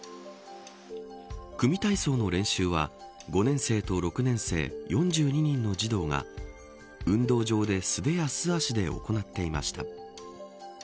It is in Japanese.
組み体操の練習は５年生と６年生、４２人の児童が運動場で素手や素足で行っていました。